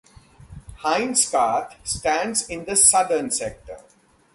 Hindscarth stands in the southern sector.